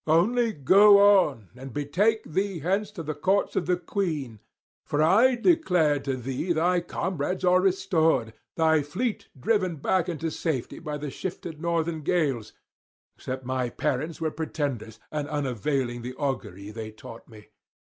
Only go on, and betake thee hence to the courts of the queen. For I declare to thee thy comrades are restored, thy fleet driven back into safety by the shifted northern gales, except my parents were pretenders, and unavailing the augury they taught me.